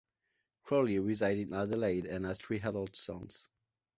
Crowley resides in Adelaide and has three adult sons.